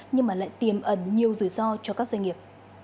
nhưng lại tiềm ẩn nhiều rủi ro cho các doanh nghiệp